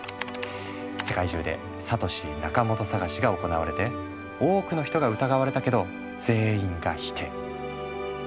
世界中でサトシ・ナカモト捜しが行われて多くの人が疑われたけど全員が否定。